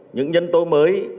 những nhân tố mới